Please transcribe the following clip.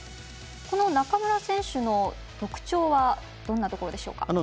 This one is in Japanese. この中村選手の特徴はどんなところでしょうか？